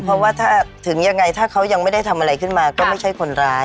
เพราะว่าถ้าถึงยังไงถ้าเขายังไม่ได้ทำอะไรขึ้นมาก็ไม่ใช่คนร้าย